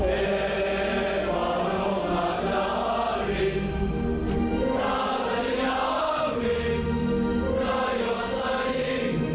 เย็นพระองค์ข้าสลับอาวินข้าสันยาวินไก่อาศัยงธุ์